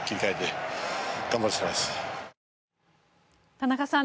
田中さん